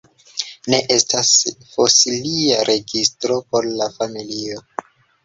Ne estas fosilia registro por la familio.